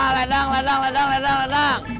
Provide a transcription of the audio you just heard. ledang ledang ledang ledang